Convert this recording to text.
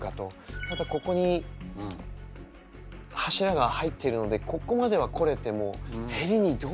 またここに柱が入っているのでここまでは来れてもへりにどうやって行こうかっていうのが。